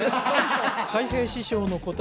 たい平師匠の答え